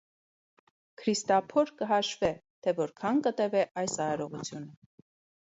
Քրիստափոր կը հաշուէ, թէ որքա՛ն կը տեւէ այս արարողութիւնը։